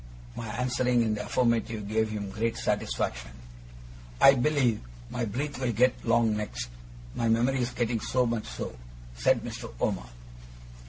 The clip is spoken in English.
My answering in the affirmative gave him great satisfaction. 'I believe my breath will get long next, my memory's getting so much so,' said Mr. Omer.